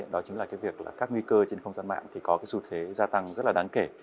đó chính là việc các nguy cơ trên không gian mạng có sự giá tăng rất là đáng kể